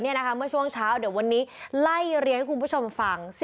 เมื่อช่วงเช้าเดี๋ยววันนี้ไล่เรียงให้คุณผู้ชมฟัง